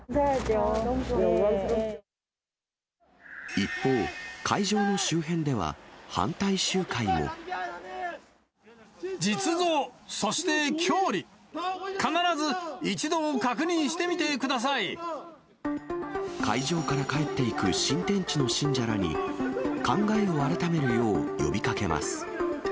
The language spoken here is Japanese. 一方、実像、そして教理、会場から帰っていく新天地の信者らに、考えを改めるよう呼びかけます。